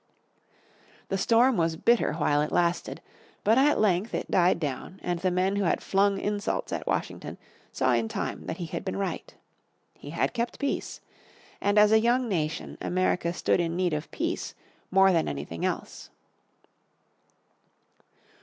The storm was bitter while it lasted, but at length it died down and the men who had flung insults at Washington saw in time that he had been right. He had kept peace; and as a young nation America stood in need of peace more than anything else.